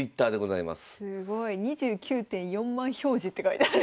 すごい「２９．４万表示」って書いてある。